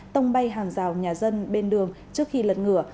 tông bay hàng rào nhà dân bên đường trước khi lật ngửa